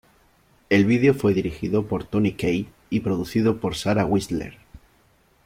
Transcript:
El video fue dirigido por Tony Kaye y producido por Sarah Whistler.